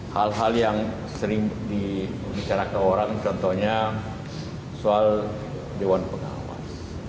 hal hal yang sering dibicarakan orang contohnya soal dewan pengawas